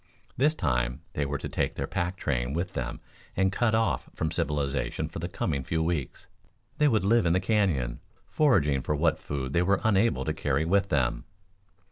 This time they were to take their pack train with them and cut off from civilization for the coming few weeks, they would live in the Canyon, foraging for what food they were unable to carry with them.